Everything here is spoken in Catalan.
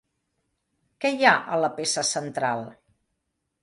Què hi ha a la peça central?